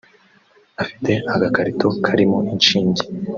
afite agakarito karimo inshinge